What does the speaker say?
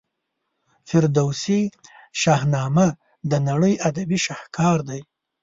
فردوسي شاهنامه د نړۍ ادبي شهکار دی.